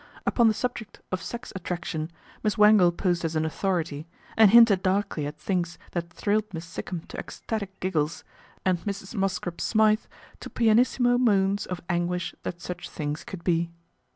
Upon the subject of sex attraction Miss Wangle posed as an authority, and hinted darkly at things that thrilled Miss Sikkum to ecstatic giggles, and Mrs. Mosscrop Smythe to pianissimo moans of anguish that such things could be.